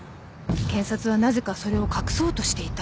検察はなぜかそれを隠そうとしていた。